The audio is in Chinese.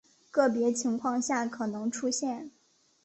个别情况下可能出现。